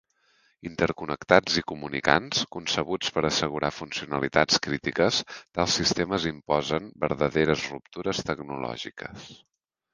Interconnectats i comunicants, concebuts per assegurar funcionalitats crítiques, tals sistemes imposen verdaderes ruptures tecnològiques.